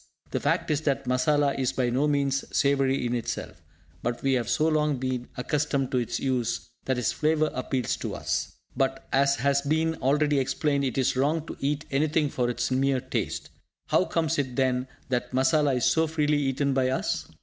The fact is that masala is by no means savoury in itself, but we have so long been accustomed to its use that its flavour appeals to us. But, as has been already explained, it is wrong to eat anything for its mere taste. How comes it, then, that masala is so freely eaten by us?